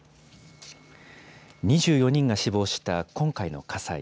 ２４人が死亡した今回の火災。